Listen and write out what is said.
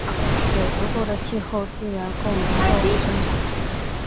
有足够的气候资源供农作物生长。